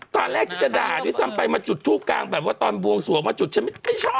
ตอนแรกชัดด่าดิวิสัมไปมาจุดทูปกลางแบบว่าตอนบวงสวงมาจุดชะมิดไม่ชอบอะ